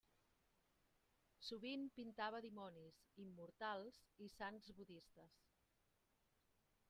Sovint pintava dimonis, Immortals i sants budistes.